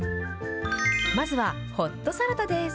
まずはホットサラダです。